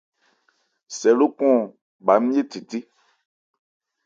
Sɛ lókɔn bha ńmye thethé.